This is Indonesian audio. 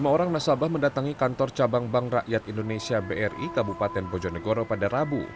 lima orang nasabah mendatangi kantor cabang bank rakyat indonesia bri kabupaten bojonegoro pada rabu